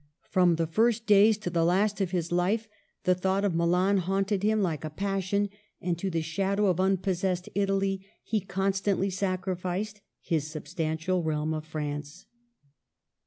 From the first days to the last of his life the thought of Milan haunted him like a passion, and to the shadow of unpossessed Italy he constantly sacrificed his substantial realm of France.